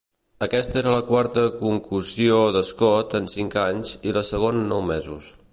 Aquesta era la quarta concussió d'Scott en cinc anys, i la segona en nou mesos.